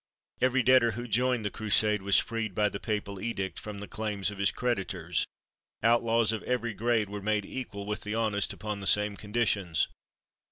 Every debtor who joined the Crusade was freed by the papal edict from the claims of his creditors; outlaws of every grade were made equal with the honest upon the same conditions.